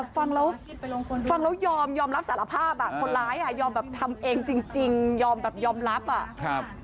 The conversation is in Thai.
ฟังแล้วยอมรับสารภาพคนร้ายยอมทำเองจริงยอมรับ